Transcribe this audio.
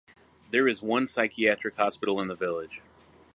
There is one psychiatric hospital in the village.